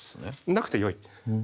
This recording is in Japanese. なくてよい。